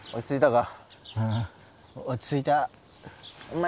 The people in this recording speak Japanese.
落ち着いたか？